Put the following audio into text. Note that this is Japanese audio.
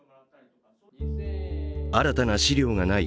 新たな資料がない